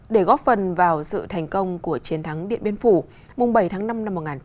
để góp phần vào sự thành công của chiến thắng điện biên phủ mùng bảy tháng năm năm một nghìn chín trăm bốn mươi năm